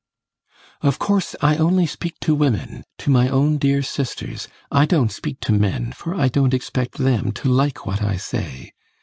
"Of course I only speak to women to my own dear sisters; I don't speak to men, for I don't expect them to like what I say.